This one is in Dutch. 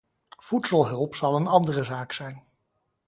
Voedselhulp zal een andere zaak zijn.